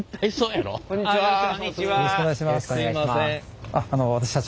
よろしくお願いします。